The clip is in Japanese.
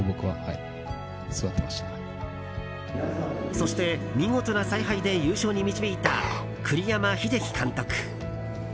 そして、見事な采配で優勝に導いた栗山英樹監督。